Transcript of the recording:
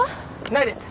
ないです。